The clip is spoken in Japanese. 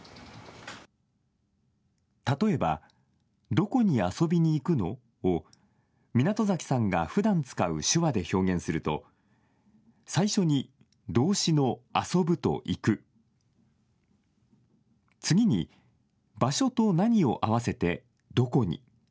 例えば、「どこに遊びに行くの？」を湊崎さんがふだん使う手話で表現すると最初に動詞の遊ぶと行く、次に場所と何を合わせてどこに。